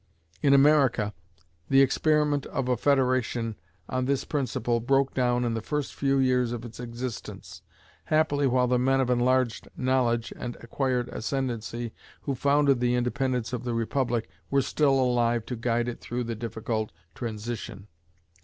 In America, the experiment of a federation on this principle broke down in the first few years of its existence, happily while the men of enlarged knowledge and acquired ascendancy who founded the independence of the Republic were still alive to guide it through the difficult transition.